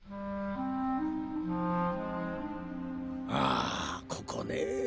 あここね。